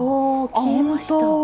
消えました。